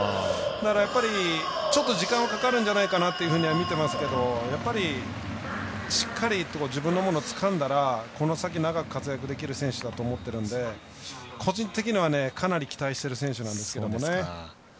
だから、ちょっと時間はかかるんじゃないかと見てますけど、やっぱりしっかり自分のものつかんだらこの先長く活躍できる選手だと思っているので個人的にはかなり期待してる選手なんですよね。